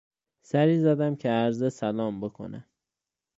سری زدم که عرض سلام بکنم!